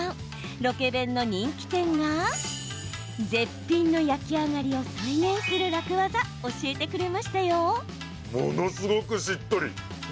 ロケ弁の人気店が絶品の焼き上がりを再現する楽ワザ教えてくれましたよ。